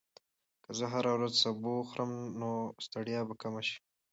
که زه هره ورځ سبو وخورم، نو ستړیا به کمه شي.